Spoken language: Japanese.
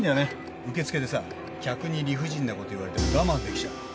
受付でさ客に理不尽なこと言われても我慢できちゃうの。